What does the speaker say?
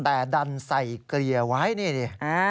แต่ดันใส่เกลี่ยไว้นี่ดิ